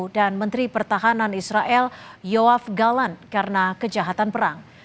dan menteri pertahanan israel yoav galan karena kejahatan perang